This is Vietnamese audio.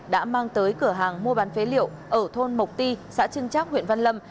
đã mang tới cửa hàng mua bán phế liệu ở thôn mộc ti xã trưng trác huyện văn lâm